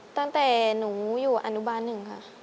ตั้งแต่หนูอยู่อนุบาล๑ค่ะ